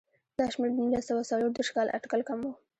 دا شمېر له نولس سوه څلور دېرش کال اټکل کم و.